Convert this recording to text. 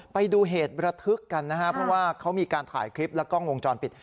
ไปดูเหตุระทึกกันนะครับเพราะว่าเขามีการถ่ายคลิปและกล้องวงจรปิด